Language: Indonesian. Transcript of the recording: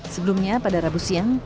sebelumnya pada rabu siang